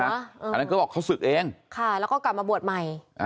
อันนั้นก็บอกเขาศึกเองค่ะแล้วก็กลับมาบวชใหม่